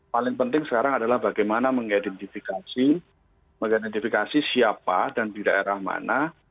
paling penting sekarang adalah bagaimana mengidentifikasi siapa dan di daerah mana